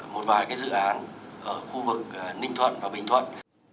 một vài cái dự án ở khu vực ninh thuận và bình thuận